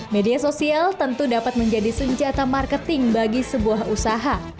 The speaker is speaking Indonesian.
media sosial tentu dapat menjadi senjata marketing bagi sebuah usaha